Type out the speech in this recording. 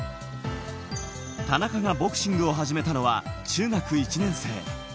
田中はボクシングを始めたのは中学１年生。